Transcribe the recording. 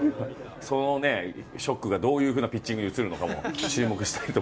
そのショックがどういうふうなピッチングにうつるのか。